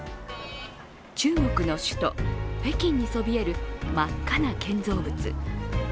中国の首都・北京にそびえる真っ赤な建造物。